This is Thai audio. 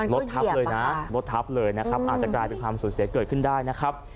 รถทับเลยนะรถทับเลยนะครับอาจจะกลายเป็นความสูญเสียเกิดขึ้นได้นะครับ